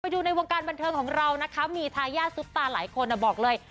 ดูในวงการบันเทิงของเรานะคะมีทายาทซุปตาหลายคนบอกเลย